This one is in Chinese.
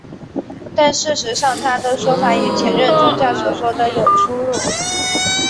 但事实上他的说法与前任教宗所说的有出入。